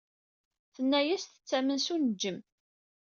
Tenna-yas tettamen s uneǧǧem.